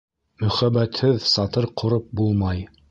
Мөхәббәтһеҙ сатыр ҡороп булмай.